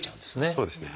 そうですね。